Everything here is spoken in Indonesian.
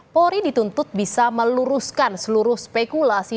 polri dituntut bisa meluruskan seluruh spekulasi